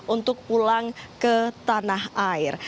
untuk pulang ke tanah air